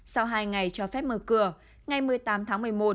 sau hai ngày cho phép mở cửa ngày một mươi tám tháng một mươi một